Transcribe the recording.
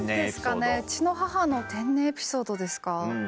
うちの母の天然エピソードですか。